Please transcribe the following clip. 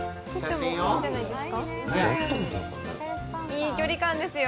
いい距離感ですよ。